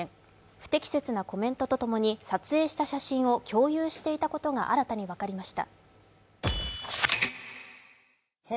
不適切なコメントと共に撮影していた写真を共有していたことが新たに分かりました。